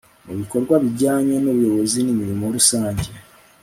mu bikorwa bijyanye n'ubuyobozi n'imirimo rusange